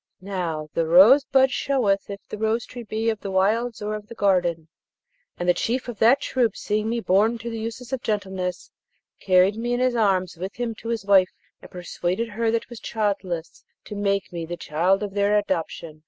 Now, the rose bud showeth if the rose tree be of the wilds or of the garden, and the chief of that troop seeing me born to the uses of gentleness, carried me in his arms with him to his wife, and persuaded her that was childless to make me the child of their adoption.